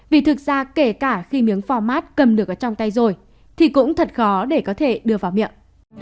vì thực ra kể cả khi miếng phò mát cầm được ở trong tay rồi thì cũng thật khó để có thể đưa vào miệng